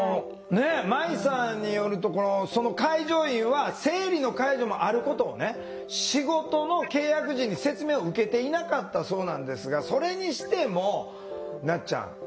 まいさんによるとその介助員は生理の介助もあることをね仕事の契約時に説明を受けていなかったそうなんですがそれにしてもなっちゃん。